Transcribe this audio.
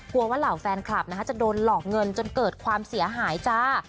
ว่าเหล่าแฟนคลับนะคะจะโดนหลอกเงินจนเกิดความเสียหายจ้า